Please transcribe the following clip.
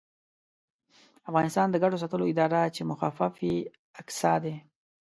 افغانستان د ګټو ساتلو اداره چې مخفف یې اګسا دی